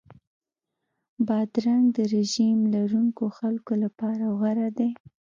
بادرنګ د رژیم لرونکو خلکو لپاره غوره دی.